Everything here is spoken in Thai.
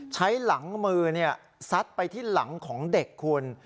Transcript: ใช้หลังมือซัดไปที่หลังของเด็กคุณ